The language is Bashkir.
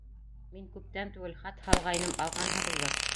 Мин күптән түгел хат һалғайным, алғанһығыҙҙыр.